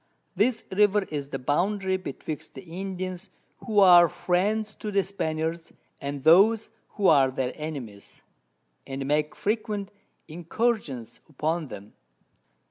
This River is the Boundary betwixt the Indians who are Friends to the Spaniards, and those who are their Enemies, and make frequent Incursions upon them.